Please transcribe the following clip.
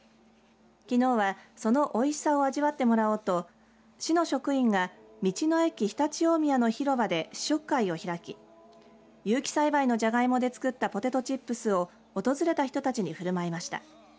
きのうはそのおいしさを味わってもらおうと市の職員が道の駅常陸大宮の広場で試食会を開き有機栽培のジャガイモで作ったポテトチップスを訪れた人たちにふるまいました。